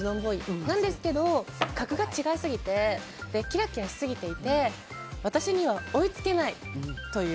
なんですけど、格が違いすぎてキラキラしすぎていて私には追いつけないという。